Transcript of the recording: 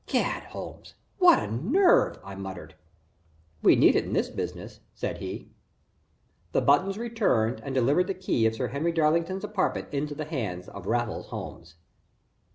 "Gad, Holmes, what a nerve!" I muttered. "We need it in this business," said he. The buttons returned and delivered the key of Sir Henry Darlington's apartment into the hands of Raffles Holmes.